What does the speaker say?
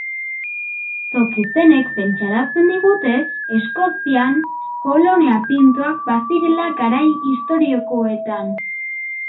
Toki izenek pentsarazten digute Eskozian kolonia piktoak bazirela garai historikoetan.